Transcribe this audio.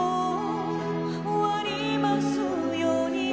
「終わりますように」